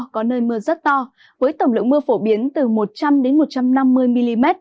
có nơi mưa rất to với tổng lượng mưa phổ biến từ một trăm linh một trăm năm mươi mm